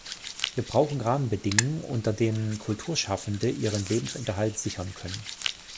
Wir brauchen Rahmenbedingungen, unter denen Kulturschaffende ihren Lebensunterhalt sichern können.